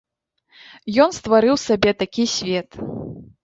Ён стварыў сабе такі свет.